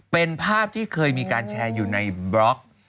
เป็นภาพที่เคยมีการแชร์อยู่ในบล็อก